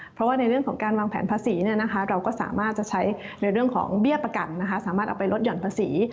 เพราะว่าในเรื่องของการวางแผนภาษีเราก็สามารถจะใช้ในเรื่องของเบี้ยประกันสามารถเอาไปลดหย่อนภาษี